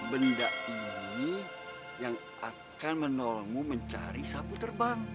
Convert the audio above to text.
benda ini yang akan menolongmu mencari sapu terbang